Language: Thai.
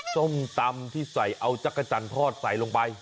ส้มตำที่ใส่เอาจักรจันทร์ทอดใส่ลงไป